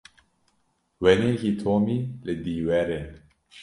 Wêneyekî Tomî li dîwêr e.